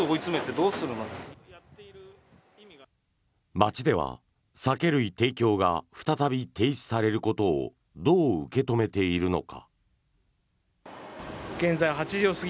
街では酒類提供が再び停止されることをどう受け止めているのか。